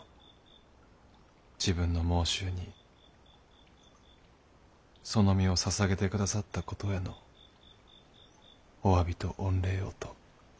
自分の妄執にその身をささげて下さったことへのお詫びと御礼をと。